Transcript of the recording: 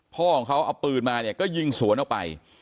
พ่อของเขาเอาปืนมาเนี่ยก็ยิงสวนออกไป